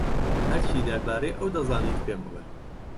هەرچی دەربارەی ئەو دەزانیت پێم بڵێ.